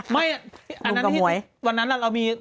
อ่ะไม่นั้นวันนั้นแหละนี่อ๋อนุ้มกับหมวย